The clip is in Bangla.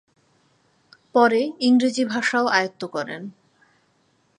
পরে ইংরেজি ভাষাও আয়ত্ত করেন।